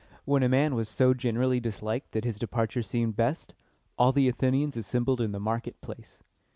When a man was so generally disliked that his departure seemed best, all the Athenians assembled in the market place.